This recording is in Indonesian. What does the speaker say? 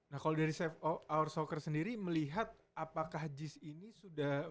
nah kalau dari safe our soccer sendiri melihat apakah jis ini sudah